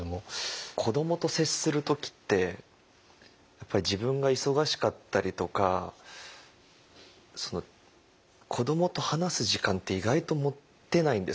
子どもと接する時ってやっぱり自分が忙しかったりとか子どもと話す時間って意外と持てないんです私。